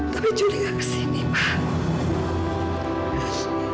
tapi juli gak ke sini pak